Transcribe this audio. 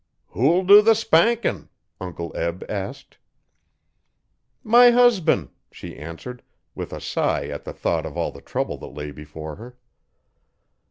'Who'll do the spankin?' Uncle Eb asked. 'My husban',' she answered, with a sigh at the thought of all the trouble that lay before her.